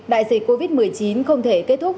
đại dịch covid một mươi chín không thể kết thúc